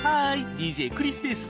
ＤＪクリスです。